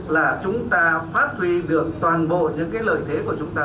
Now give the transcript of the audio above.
là chúng ta phát huy được toàn bộ những cái lợi thế của chúng ta